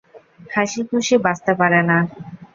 হাসিখুশি বাঁচতে পারে না।